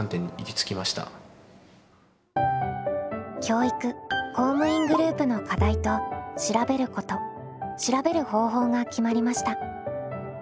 教育・公務員グループの「課題」と「調べること」「調べる方法」が決まりました。